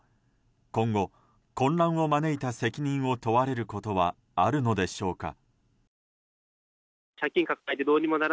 今後、混乱を招いた責任を問われることはあるのでしょうか。